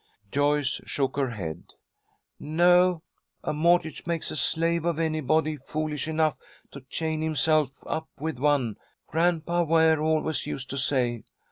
Joyce shook her head. "No, a mortgage makes a slave of anybody foolish enough to chain himself up with one, Grandpa Ware always used to say.